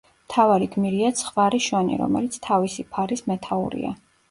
მთავარი გმირია ცხვარი შონი, რომელიც თავისი ფარის მეთაურია.